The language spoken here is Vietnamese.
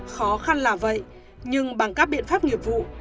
khó khăn là vậy nhưng bằng các biện pháp nghiệp vụ